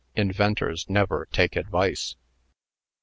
Inventors never take advice."